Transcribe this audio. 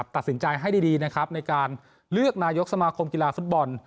ตัดสินใจให้ดีนะครับในการเลือกนายกสมาคมกีฬาฟุตบอล